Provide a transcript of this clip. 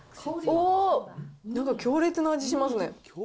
おー、なんか強烈な味しますね。